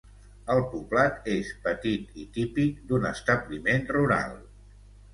El poblat és petit i típic d'un establiment rural.